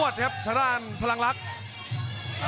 นวดครับทะลานพลังลักษณ์